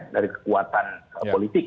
dari kekuatan politik